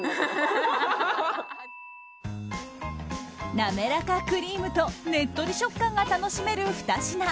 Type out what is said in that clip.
滑らかクリームとねっとり食感が楽しめる二品。